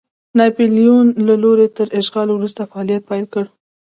ناپلیون له لوري تر اشغال وروسته فعالیت پیل کړ.